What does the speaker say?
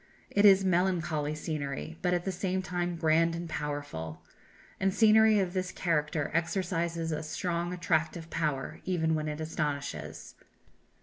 It is melancholy scenery, but, at the same time, grand and powerful. And scenery of this character exercises a strong attractive power, even when it astonishes.